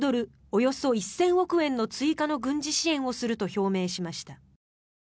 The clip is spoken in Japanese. およそ１０００億円の追加の軍事支援をすると表明しました。